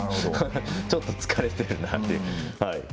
ちょっと疲れてるなって。